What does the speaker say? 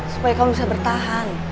supaya kamu bisa bertahan